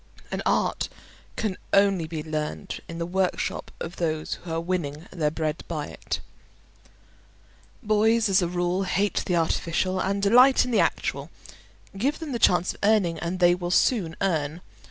An art can only be learned in the workshop of those who are winning their bread by it. Boys, as a rule, hate the artificial, and delight in the actual; give them the chance of earning, and they will soon earn.